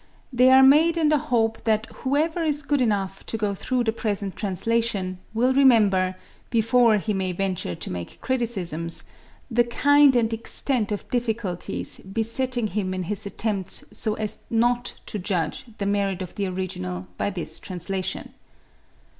They are made in the hope that whoever is good enough to go through the present translation will remember, before he may venture to make criticisms, the kind and extent of difficulties besetting him in his attempts so as not to judge the merit of the original by this translation.